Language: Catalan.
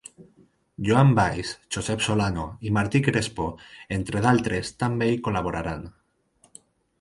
Joan Valls, Josep Solano i Martí Crespo, entre d’altres, també hi col·laboraran.